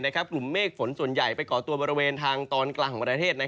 กลุ่มเมฆฝนส่วนใหญ่ไปก่อตัวบริเวณทางตอนกลางของประเทศ